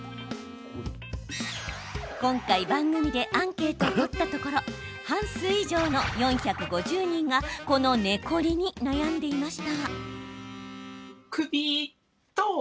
今回、番組でアンケートを取ったところ半数以上の４５０人がこの寝コリに悩んでいました。